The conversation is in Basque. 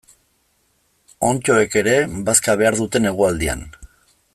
Onddoek ere bazka behar dute negualdian.